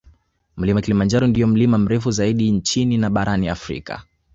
Mlima Kilimanjaro ndiyo mlima mrefu zaidi nchini na barani Afrika